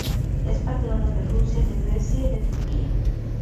Es Patrono de Rusia, de Grecia y de Turquía.